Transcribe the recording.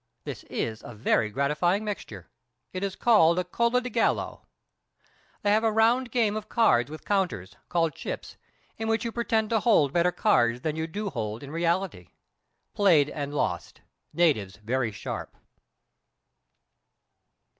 This is a very gratifying mixture. It is called a Cola de gallo. They have a round game of cards with counters, called chips, in which you pretend to hold better cards than you do hold in reality. Played and lost. Natives very sharp.